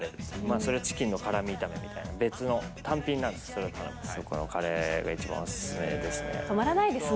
それはチキンの辛み炒めみたいなので、別の単品なんです、それを頼むんですけどそこのカレーが一番お勧めですね。